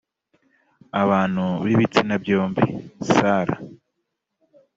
abantu b ibitsina byombi sarah